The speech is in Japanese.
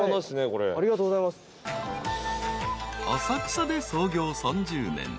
［浅草で創業３０年。